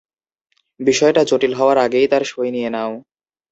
বিষয়টা জটিল হওয়ার আগেই তার সঁই নিয়ে নাও।